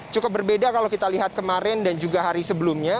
cukup berbeda kalau kita lihat kemarin dan juga hari sebelumnya